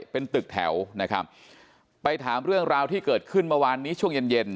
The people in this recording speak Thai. เป็นตึกแถวนะครับไปถามเรื่องราวที่เกิดขึ้นเมื่อวานนี้ช่วงเย็นเย็น